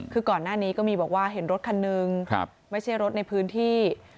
คือก่อนหน้านี้ก็มีบอกว่าเห็นรถคันนึงไม่ใช่รถในพื้นที่